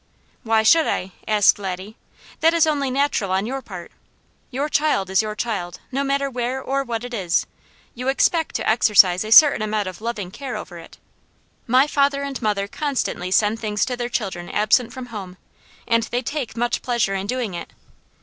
"Why should I?" asked Laddie. "That's only natural on your part. Your child is your child; no matter where or what it is, you expect to exercise a certain amount of loving care over it. My father and mother constantly send things to their children absent from home, and they take much pleasure in doing it.